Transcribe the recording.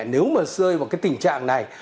nếu mà rơi vào tình trạng này